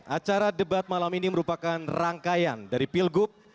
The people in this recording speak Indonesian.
acara debat malam ini merupakan rangkaian dari pilgub